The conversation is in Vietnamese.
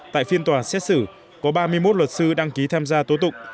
tại phiên tòa xét xử có ba mươi một luật sư đăng ký tham gia tố tụng